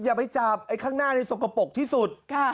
อย่าไปจับไอ้ข้างหน้านี่สกปรกที่สุด